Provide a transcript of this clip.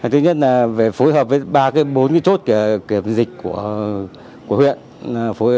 thứ nhất là phải phối hợp với ba bốn chốt dịch của huyện